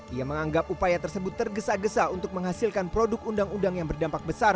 ia menganggap upaya tersebut tergesa gesa untuk menghasilkan produk undang undang yang berdampak besar